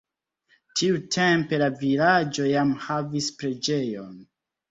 Tiutempe la vilaĝo jam havis preĝejon.